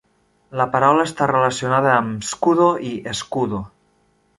La paraula està relacionada amb "scudo" i "escudo".